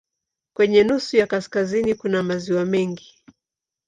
Kwenye nusu ya kaskazini kuna maziwa mengi.